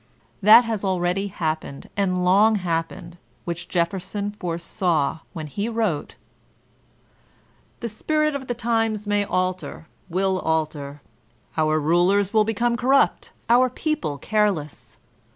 That has al ready happened, and long happened, which Jefferson foresaw when he wrote: "The spirit of the times may alter, will alter, Otir rulers will become corrupt, our people careless.